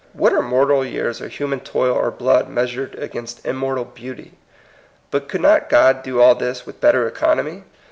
What are mortal years or human toil or blood measured against immortal beauty ! But could not God do all this with better economy?